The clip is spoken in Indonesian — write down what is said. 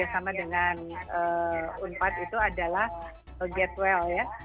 sama dengan unpad itu adalah getwell ya